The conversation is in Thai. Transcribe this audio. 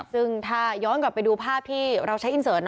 ซึ่งถ้าย้อนกลับไปดูภาพที่เราใช้อินเสิร์ต